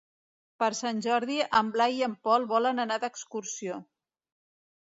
Per Sant Jordi en Blai i en Pol volen anar d'excursió.